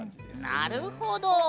なるほど！